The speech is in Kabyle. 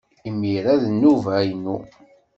Imir-a d nnuba-inu!